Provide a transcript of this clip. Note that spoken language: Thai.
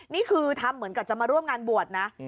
นี่คือทำเหมือนกับจะมาร่วมงานบวชนะ